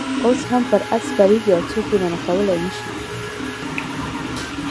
اوس هم پر آس سپرېږي او څوک یې منع کولای نه شي.